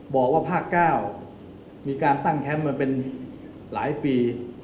บอกว่าภาค๙มีการตั้งแคมป์มาเป็นหลายปี